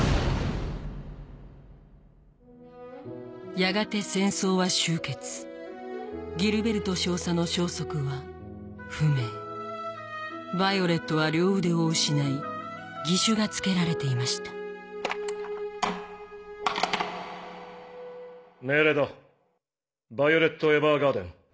やがて戦争は終結ギルベルト少佐の消息は不明ヴァイオレットは両腕を失い義手がつけられていました命令だヴァイオレット・エヴァーガーデン。